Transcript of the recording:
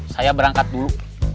saya berangkat dulu